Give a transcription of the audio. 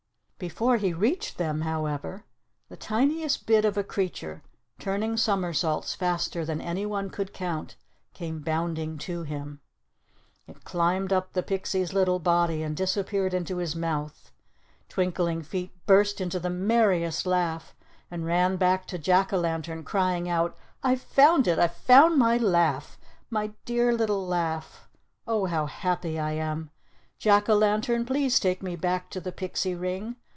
Before he reached them, however, the tiniest bit of a creature, turning somersaults faster than anyone could count, came bounding to him. It climbed up the pixie's little body, and disappeared into his mouth. Twinkling Feet burst into the merriest laugh, and ran back to Jack o' Lantern, crying out, "I've found it! I've found my laugh! My dear little laugh! Oh, how happy I am! Jack o' Lantern, please take me back to the pixie ring.